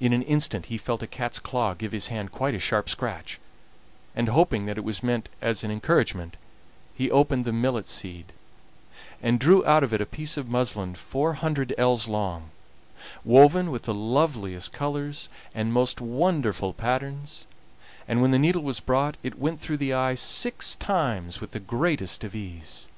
In an instant he felt a cat's claw give his hand quite a sharp scratch, and hoping that it was meant as an encouragement he opened the millet seed, and drew out of it a piece of muslin four hundred ells long, woven with the loveliest colors and most wonderful patterns; and when the needle was brought it went through the eye six times with the greatest ease!